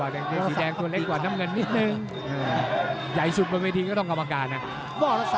สีแดงตัวเล็กกว่าน้ำเงินนิดหนึ่งหหยายสุดบนวิธีก็ต้องกรรมการนะ